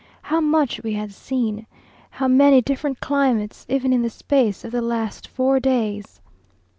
How much we had seen! How many different climates, even in the space of the last four days!